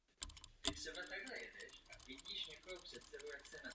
Zařízení zákazníkovi zůstává.